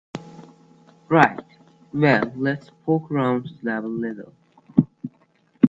Right, well let's poke around his lab a little.